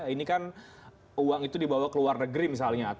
ini kan uang itu dibawa ke luar negeri misalnya